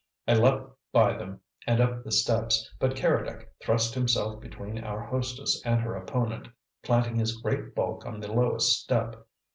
I leaped by them and up the steps, but Keredec thrust himself between our hostess and her opponent, planting his great bulk on the lowest step.